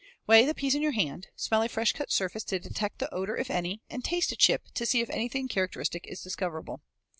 Weigh the piece in your hand, smell a fresh cut surface to detect the odor, if any, and taste a chip to see if anything characteristic is discoverable.